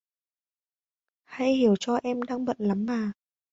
Hãy hiểu cho em đang bận lắm mà